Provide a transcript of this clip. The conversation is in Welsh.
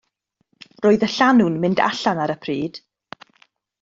Roedd y llanw'n mynd allan ar y pryd.